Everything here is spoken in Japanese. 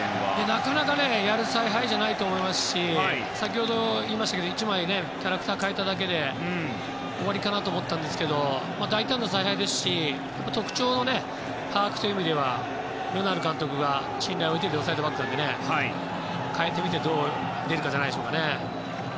なかなかやる采配じゃないと思いますし先ほど言いましたが１枚キャラクターを代えただけで終わりかなと思ったんですが大胆な采配ですし特徴の把握という意味ではルナール監督が信頼を置いている両サイドバックなので代えてみてどう出るかでしょう。